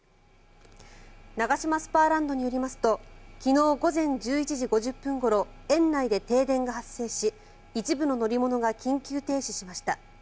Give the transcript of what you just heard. ナガシマスパーランドによりますと昨日午前１１時５０分ごろ園内で停電が発生し一部の乗り物が緊急停止しました。